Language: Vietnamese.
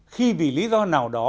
khi vì lý do nào đó